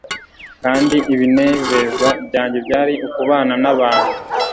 Kandi ibinezeza byanjye byari ukubana nabantu